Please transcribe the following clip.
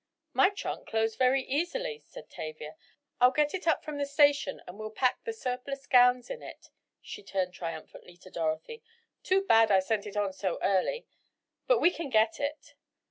"My trunk closed very easily," said Tavia, "I'll get it up from the station and we'll pack the surplus gowns in it," she turned triumphantly to Dorothy. "Too bad I sent it on so early. But we can get it."